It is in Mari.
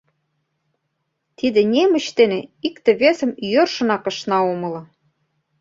Тиде немыч дене икте-весым йӧршынак ышна умыло.